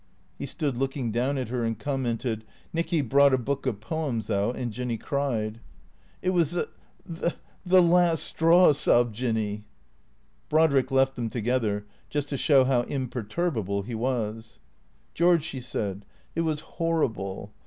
He stood looking down at her, and commented —" Nicky brought a book of poems out and Jinny cried." " It was th — th — the last straw," sobbed Jinny, Brodrick left them together, just to show how imperturbable he was. " George,'' she said, " it was horrible.